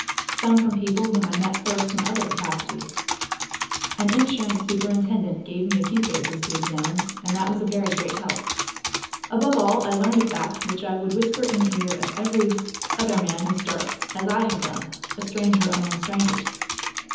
Some from people whom I met first in other capacities. An insurance superintendent gave me a few cases to examine, and that was a very great help. Above all, I learned a fact which I would whisper in the ear of every other man who starts, as I have done, a stranger among strangers.